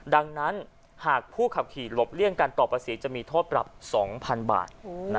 ดังนั้นหากผู้ขับขี่หลบเลี่ยงการต่อภาษีจะมีโทษปรับ๒๐๐๐บาท